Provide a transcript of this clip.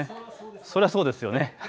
それはそうですよね。